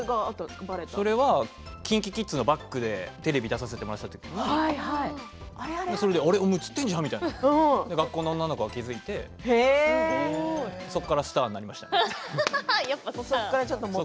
それはＫｉｎＫｉＫｉｄｓのバックでテレビに出させてもらったときに映ってるんじゃない、って学校の女の子が気付いてそこからスターになりましたよね。